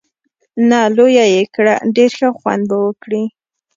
نه، لویه یې کړه، ډېر ښه خوند به وکړي.